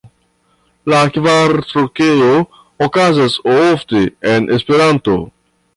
La kvartrokeo okazas ofte en Esperanto.